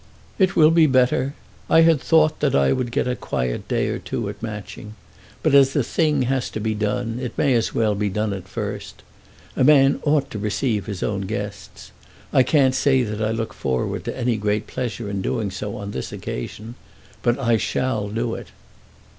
"It will be better. I had thought that I would get a quiet day or two at Matching. But as the thing has to be done, it may as well be done at first. A man ought to receive his own guests. I can't say that I look forward to any great pleasure in doing so on this occasion; but I shall do it."